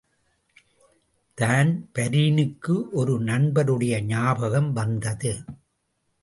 தான்பரீனுக்கு ஒரு நண்பருடைய ஞாபகம் வந்தது.